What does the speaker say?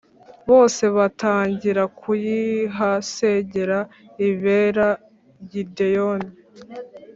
bose batangira kuyihasengera ibera Gideyoni